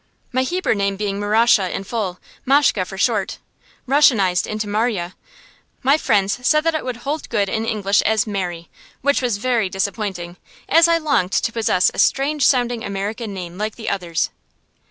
My Hebrew name being Maryashe in full, Mashke for short, Russianized into Marya (Mar ya), my friends said that it would hold good in English as Mary; which was very disappointing, as I longed to possess a strange sounding American name like the others.